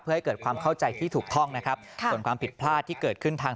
เพื่อให้เกิดความเข้าใจที่ถูกต้องนะครับส่วนความผิดพลาดที่เกิดขึ้นทาง